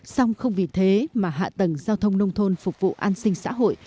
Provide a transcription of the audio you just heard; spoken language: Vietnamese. xong không vì thế mà hạ tầng giao thông nông thôn phục vụ an sinh xã hội